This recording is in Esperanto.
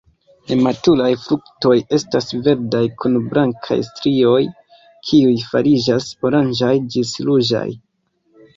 Nematuraj fruktoj estas verdaj kun blankaj strioj, kiuj fariĝas oranĝaj ĝis ruĝaj.